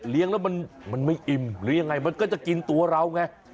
แล้วมันไม่อิ่มหรือยังไงมันก็จะกินตัวเราไง